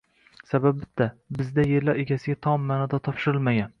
Sababi bitta: bizda yerlar egasiga tom ma’noda topshirilmagan